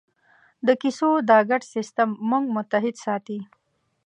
د کیسو دا ګډ سېسټم موږ متحد ساتي.